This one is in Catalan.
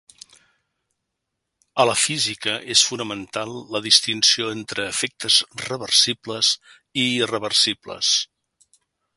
A la física és fonamental la distinció entre efectes reversibles i irreversibles.